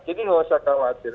jadi nggak usah khawatir